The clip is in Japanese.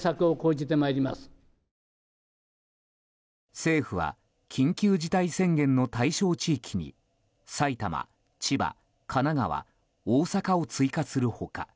政府は緊急事態宣言の対象地域に埼玉、千葉、神奈川、大阪を追加する他